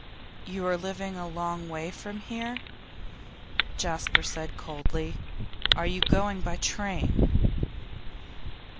'You are living a long way from here,' Jasper said, coldly. 'Are you going by train?